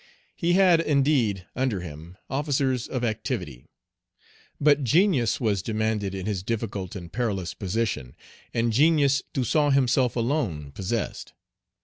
He had, indeed, under him, officers of activity. But genius was demanded in his difficult and perilous position, and genius Toussaint himself alone possessed.